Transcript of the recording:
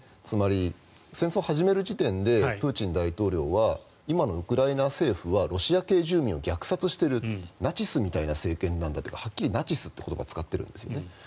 つまり、戦争を始める時点でプーチン大統領は今のウクライナ政府はロシア系住民を殺害しているナチスみたいな政権なんだとかはっきりナチスという言葉を使ってるんですよね。